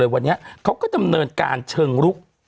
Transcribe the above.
วันนี้เขาก็ดำเนินการเชิงลุก